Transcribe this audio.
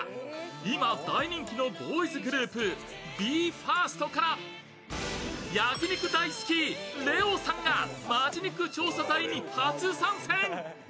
今大人気のボーイズグループＢＥ：ＦＩＲＳＴから焼肉大好き、ＬＥＯさんが本気肉調査隊に初参戦。